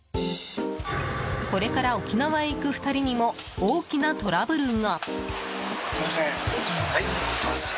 これから沖縄へ行く２人にも大きなトラブルが。